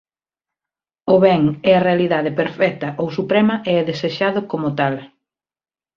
O ben é a realidade perfecta ou suprema e é desexado como tal.